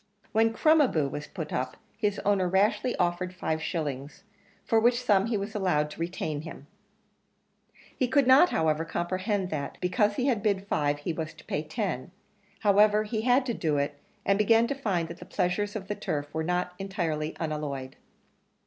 When Crom a boo was put up his owner rashly offered five shillings for which sum he was allowed to retain him. He could not, however, comprehend that, because he had bid five, he was to pay ten however, he had to do it, and began to find that the pleasures of the turf were not entirely unalloyed.